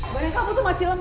barang kamu itu masih lama